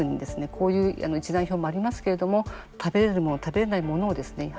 こういう一覧表もありますけれども食べれるもの食べられないものをですね